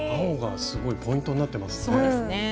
青がすごいポイントになってますね。